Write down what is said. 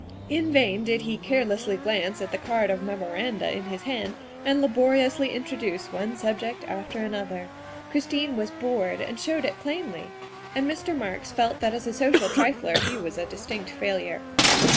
In vain did he carelessly glance at the card of memoranda in his hand and laboriously introduce one subject after another. Christine was bored and showed it plainly, and Mr. Marks felt that as 84 THE WIFE OF a social trifler he was a distinct failure.